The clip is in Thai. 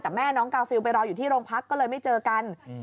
แต่แม่น้องกาฟิลไปรออยู่ที่โรงพักก็เลยไม่เจอกัน